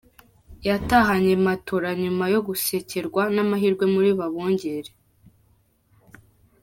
Yatahanye Matora nyuma yo gusekerwa n'amahirwe muri Babongere.